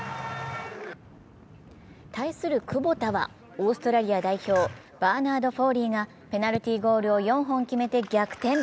対するクボタはオーストラリア代表、バーナード・フォーリーがペナルティーゴールを４本決めて逆転。